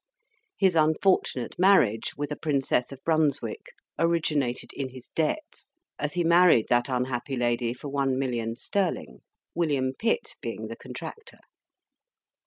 His unfortunate marriage with a Princess of Brunswick originated in his debts; as he married that unhappy lady for one million sterling, William Pitt being the contractor!